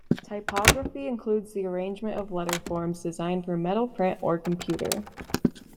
Typography includes the arrangement of letterforms designed for metal print or computer.